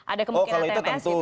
ada kemungkinan tms gitu